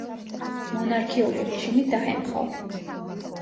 მონარქიული რეჟიმი დაემხო.